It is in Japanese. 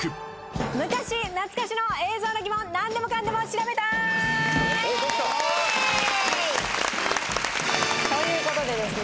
昔懐かしの映像のギモン何でもかんでも調べ隊！という事でですね